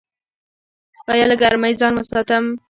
ایا له ګرمۍ ځان وساتم؟